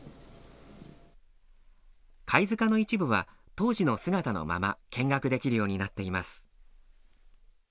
貝塚の一部は当時の姿のまま見学できるようになっています。